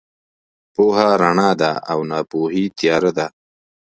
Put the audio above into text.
پوهه رڼا ده او ناپوهي تیاره ده.